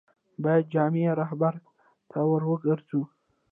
باید جامع رهبرد ته ور وګرځو.